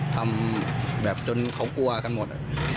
ทำแบบจนเขากลัวกันหมด